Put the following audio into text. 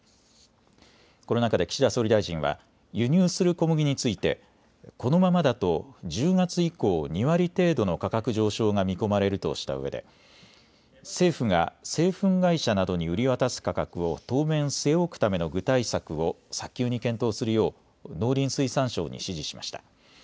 この中で岸田総理大臣は輸入する小麦について、このままだと１０月以降、２割程度の価格上昇が見込まれるとしたうえで政府が製粉会社などに売り渡す価格を当面、据え置くための具体策を早急に検討するよう農林水産省に指示しました。